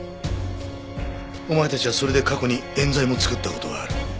お前たちはそれで過去に冤罪も作った事がある。